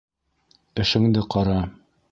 Эшеңде ҡара.